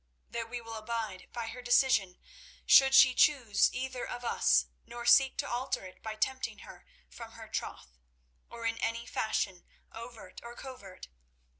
That we will abide by her decision, should she choose either of us, nor seek to alter it by tempting her from her troth, or in any fashion overt or covert.